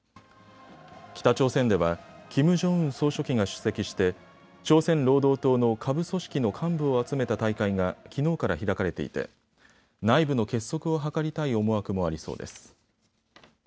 北朝鮮ではキム・ジョンウン総書記が出席して朝鮮労働党の下部組織の幹部を集めた大会がきのうから開かれていて内部の結束を図りたい思惑もありそうです。